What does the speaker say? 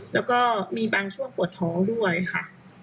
แล้วก็มีบางช่วงปวดท้องด้วยค่ะ